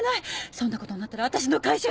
そんな事になったら私の会社が。